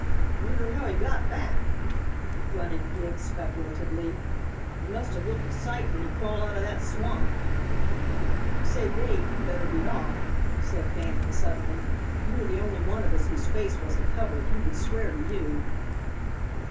"Wonder how he got back," grunted Gid speculatively; "he must have looked a sight when he crawled out of that swamp." "Say, Dade, you'd better be off," said Fanning suddenly; "you were the only one of us whose face wasn't covered. He would swear to you."